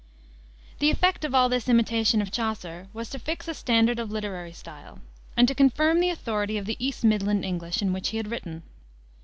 The effect of all this imitation of Chaucer was to fix a standard of literary style, and to confirm the authority of the East Midland English in which he had written.